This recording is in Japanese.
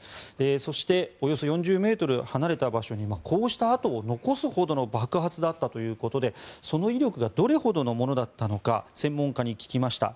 そしておよそ４０ｍ離れた場所にこうした跡を残すほどの爆発だったということでその威力がどれほどのものだったのか専門家に聞きました。